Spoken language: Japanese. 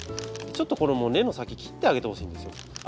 ちょっとこれもう根の先切ってあげてほしいんですよ。